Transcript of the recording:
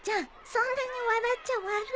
そんなに笑っちゃ悪いよ。